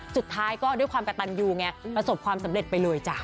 สุดท้ายก็ด้วยความกระตันยูไงประสบความสำเร็จไปเลยจ้ะ